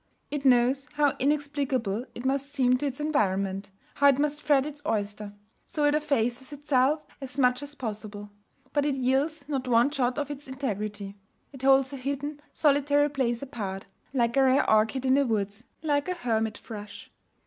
It knows how inexplicable it must seem to its environment, how it must fret its oyster; so it effaces itself as much as possible. But it yields not one jot of its integrity. It holds a hidden, solitary place apart like a rare orchid in the woods, like a hermit thrush.